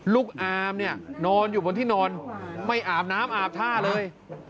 อามเนี่ยนอนอยู่บนที่นอนไม่อาบน้ำอาบท่าเลย